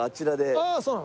ああそうなの。